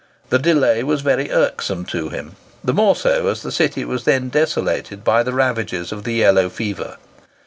The delay was very irksome to him, the more so as the city was then desolated by the ravages of the yellow fever.